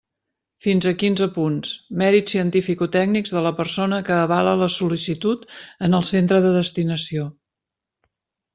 Fins a quinze punts: mèrits cientificotècnics de la persona que avala la sol·licitud en el centre de destinació.